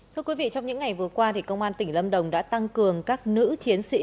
thưa quý vị trong những ngày vừa qua công an tỉnh lâm đồng đã tăng cường các nữ chiến sĩ